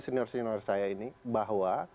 senior senior saya ini bahwa